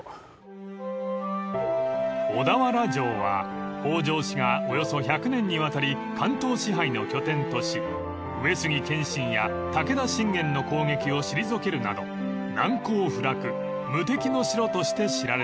［小田原城は北条氏がおよそ１００年にわたり関東支配の拠点とし上杉謙信や武田信玄の攻撃を退けるなど難攻不落無敵の城として知られています］